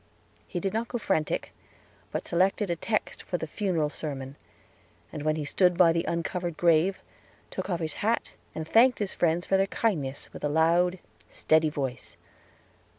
He did not go frantic, but selected a text for the funeral sermon; and when he stood by the uncovered grave, took off his hat and thanked his friends for their kindness with a loud, steady voice.